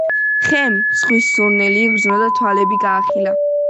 ხემ ზღვის სურნელი იგრძნო და თვალები გაახილა.